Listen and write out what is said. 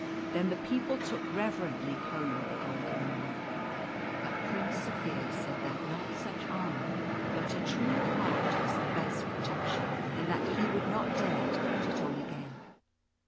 Then the people took reverently home the golden armour; but Prince Zaphir said that not such armour, but a true heart was the best protection, and that he would not dare to put it on again.